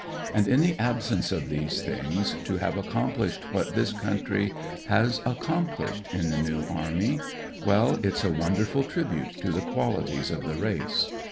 And in the absence of these things to have accompUshed what this country has accomplished in the New Army — ^well, it's a wonderful tribute to the qualities of the race.